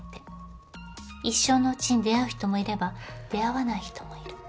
一生のうちに出会う人もいれば出会わない人もいる。